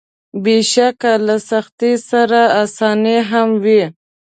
بېشکه له سختۍ سره اساني هم وي.